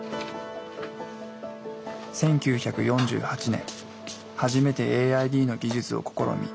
１９４８年初めてＡＩＤの技術を試み